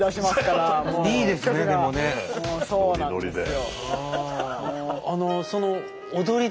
そうなんですよ。